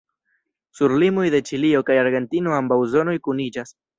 Sur limoj de Ĉilio kaj Argentino ambaŭ zonoj kuniĝas.